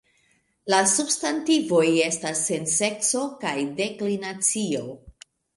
La substantivoj estas sen sekso kaj deklinacio.